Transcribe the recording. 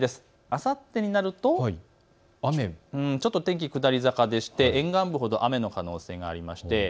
あさってになるとちょっと天気、下り坂でして沿岸部ほど雨の可能性があります。